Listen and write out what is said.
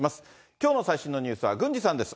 きょうの最新のニュースは郡司さんです。